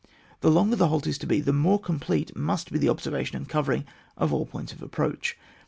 The longer the halt is to be the more com plete must be the observation and cover ing of all points of approach.